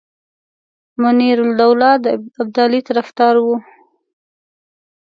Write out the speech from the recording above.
منیرالدوله د ابدالي طرفدار وو.